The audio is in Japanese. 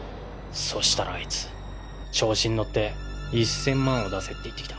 そうしたらあいつ調子に乗って１０００万を出せって言ってきた。